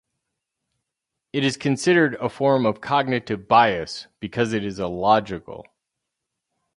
It is considered a form of cognitive bias, because it is illogical.